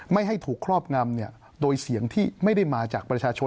ไม่ให้ถูกครอบงำโดยเสียงที่ไม่ได้มาจากประชาชน